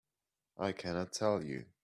I cannot tell you.